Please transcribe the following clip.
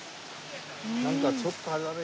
なんかちょっとあれだね。